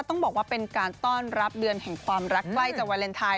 ต้องบอกว่าเป็นการต้อนรับเดือนแห่งความรักใกล้จะวาเลนไทย